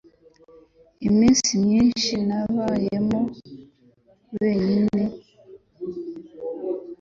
iminsi myinshi nabayemo wenyine